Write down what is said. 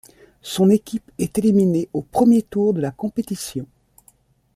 Son équipe est éliminée au premier tour de la compétition.